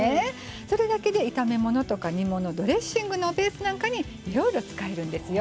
それだけで炒め物とか煮物ドレッシングのベースなんかにいろいろ使えるんですよ。